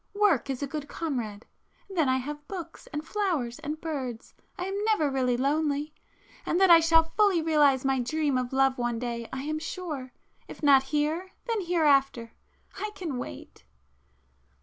Work is a good comrade,—then I have books, and flowers and birds—I am never really lonely. And that I shall fully realize my dream of love one day I am sure,—if not here, then hereafter. I can wait!"